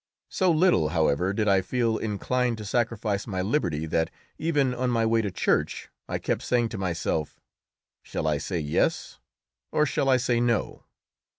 So little, however, did I feel inclined to sacrifice my liberty that, even on my way to church, I kept saying to myself, "Shall I say yes, or shall I say no?"